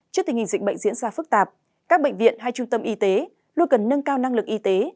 trước tình hình dịch bệnh diễn ra phức tạp các bệnh viện hay trung tâm y tế luôn cần nâng cao năng lực y tế